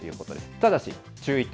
ただし、注意点。